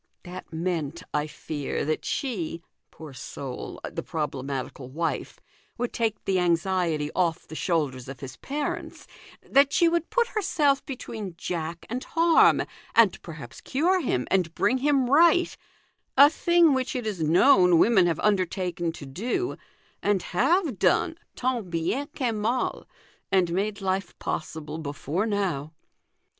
That meant, I fear, that she (poor soul ! the problematical wife) would take the anxiety off the shoulders of his parents, that she would put herself between Jack and harm, and perhaps cure him, and bring him right a thing which it is known women have undertaken to do, and have done tant bien que mal, arid made life possible, before now.